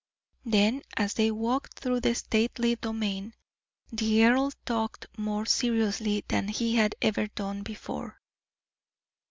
Then, as they walked through the stately domain, the earl talked more seriously than he had ever done before.